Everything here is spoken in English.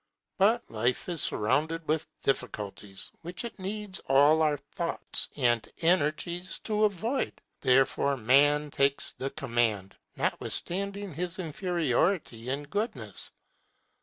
But life is surrounded with difficulties, which it needs all our thoughts and energies to avoid; therefore Man takes the command, notwithstanding his inferiority in goodness.